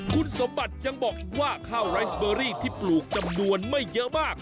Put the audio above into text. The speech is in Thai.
คุณสมบัติยังบอกว่าข้าวไรสเบอรี่ที่ปลูกจำนวนไม่เยอะมาก